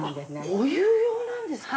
お湯用なんですか。